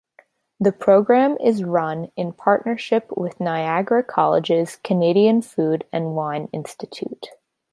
The program is run in partnership with Niagara College's Canadian Food and Wine Institute.